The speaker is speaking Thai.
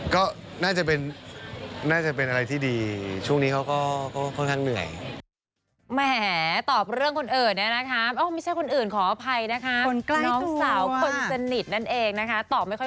น้องทำงานหนักด้วยหรือเปล่าค่ะช่วงนี้ก็เลยมาไปจัดวิตามินให้เลย